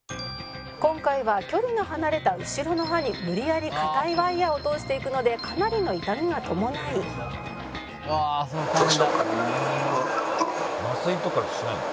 「今回は距離の離れた後ろの歯に無理やり硬いワイヤーを通していくのでかなりの痛みが伴い」「麻酔とかしないの？」